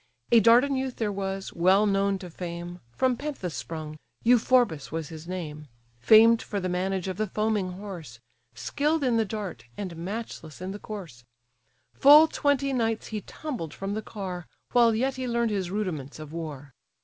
A Dardan youth there was, well known to fame, From Panthus sprung, Euphorbus was his name; Famed for the manage of the foaming horse, Skill'd in the dart, and matchless in the course: Full twenty knights he tumbled from the car, While yet he learn'd his rudiments of war.